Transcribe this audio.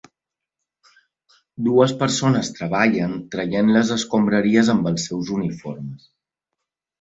Dues persones treballen traient les escombraries amb els seus uniformes.